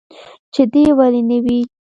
چې دى ولي نه وي.